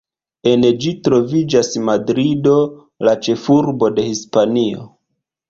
En ĝi troviĝas Madrido, la ĉefurbo de Hispanio.